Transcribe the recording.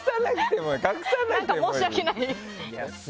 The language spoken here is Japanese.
何か申し訳ない。